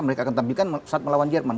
mereka akan tampilkan saat melawan jerman